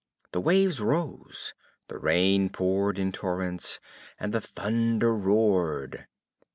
The waves rose, the rain poured in torrents, and the thunder roared.